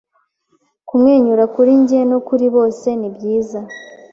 Kumwenyura kuri njye no kuri bose nibyiza